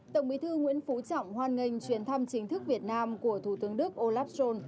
tổng bí thư nguyễn phú trọng hoan nghênh chuyến thăm chính thức việt nam của thủ tướng đức olaf schol